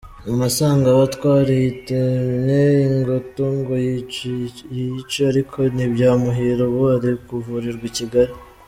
Musangabatware yitemye ingoto ngo yiyice ariko ntibyamuhira ubu ari kuvurirwa i Kigali